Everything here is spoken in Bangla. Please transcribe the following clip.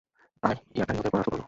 আর ইয়াকারি ওদের পরাস্ত করল।